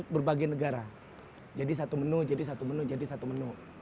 berbagai negara jadi satu menu jadi satu menu jadi satu menu